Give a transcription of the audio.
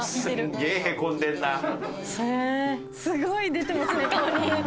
すごい出てますね顔に。